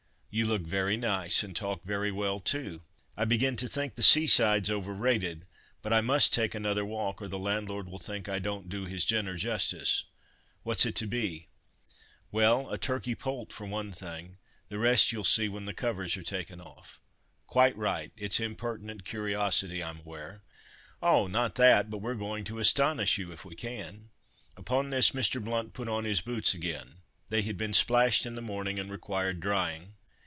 "You look very nice, and talk very well too. I begin to think the seaside's overrated; but I must take another walk, or the landlord will think I don't do his dinner justice. What's it to be?" "Well, a turkey poult for one thing; the rest you'll see when the covers are taken off." "Quite right. It's impertinent curiosity, I'm aware." "Oh! not that, but we're going to astonish you, if we can." Upon this Mr. Blount put on his boots again; they had been splashed in the morning, and required drying.